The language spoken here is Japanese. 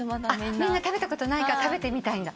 みんな食べたことないから食べてみたいんだ。